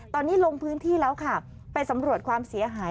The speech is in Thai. ตอนนี้ลงพื้นที่แล้วค่ะไปสำรวจความเสียหาย